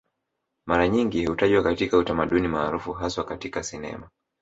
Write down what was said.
Mara nyingi hutajwa katika utamaduni maarufu haswa katika sinema